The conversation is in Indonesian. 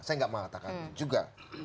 saya tidak mengatakan itu juga